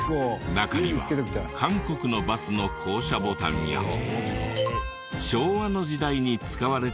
中には韓国のバスの降車ボタンや昭和の時代に使われていたボタンなど。